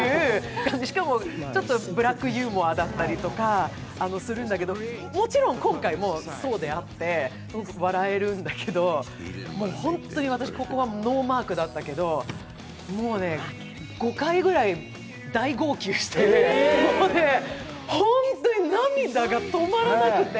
しかもちょっとブラックユーモアだったりするんだけど、もちろん今回もそうであって笑えるんだけど、本当に私、ここはノーマークだったけど、もうね、５回くらい大号泣して本当に涙が止まらなくて！